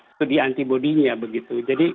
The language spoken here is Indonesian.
studi antibody nya begitu jadi